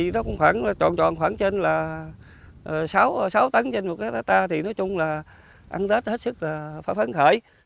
sáu tấn trên một cái ta thì nói chung là ăn rết hết sức là phải phấn khởi